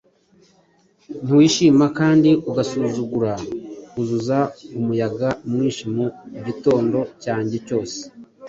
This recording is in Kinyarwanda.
Ntiwishima kandi ugasuzugura Uzuza umuyaga mwinshi mu gitondo cyanjye cyose,